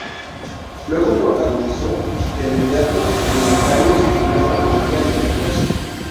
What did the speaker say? Luego protagonizó teleteatros y unitarios en "Alta comedia" y "Atreverse".